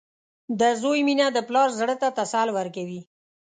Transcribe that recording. • د زوی مینه د پلار زړۀ ته تسل ورکوي.